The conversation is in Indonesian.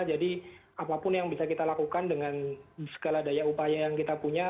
jadi apapun yang bisa kita lakukan dengan segala daya upaya yang kita punya